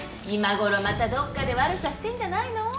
今頃またどっかで悪さしてんじゃないの？